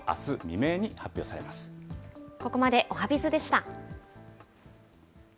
日ここまでおはＢｉｚでした。